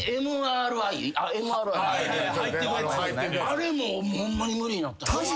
あれもホンマに無理になったし。